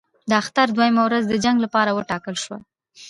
د اختر دوهمه ورځ د جنګ لپاره وټاکل شوه.